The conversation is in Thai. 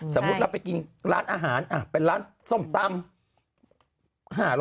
สมมุติเราไปกินร้านอาหารเป็นร้านส้มตำ